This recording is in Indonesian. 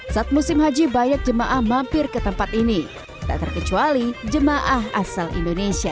saat musim haji banyak jemaah mampir ke tempat ini tak terkecuali jemaah asal indonesia